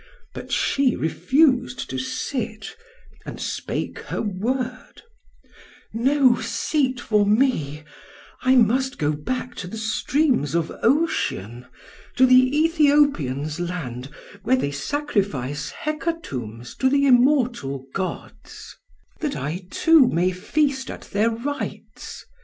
But she refused to sit, and spake her word: 'No seat for me; I must go back to the streams of Ocean, to the Ethiopians' land where they sacrifice hecatombs to the immortal gods, that I too may feast at their rites.